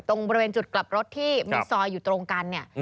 ตรงประเมนจุดกลับรถที่มีซอยอยู่ตรงกัน